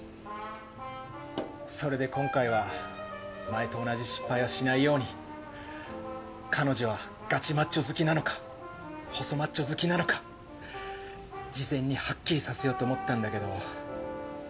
それで今回は前と同じ失敗はしないように彼女はガチマッチョ好きなのか細マッチョ好きなのか事前にはっきりさせようと思ったんだけど。